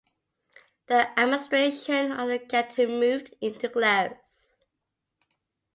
The administration of the Canton moved into Glarus.